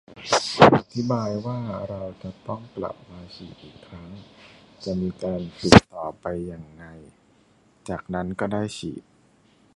อธิบายว่าเราจะต้องกลับมาฉีดอีกครั้ง จะมีการติดต่อไปยังไง จากนั้นก็ได้ฉีด